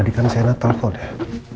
tadi kan saya natal kok udah